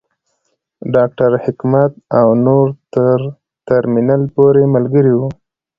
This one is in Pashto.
ډاکټر حکمت او نور تر ترمینل پورې ملګري وو.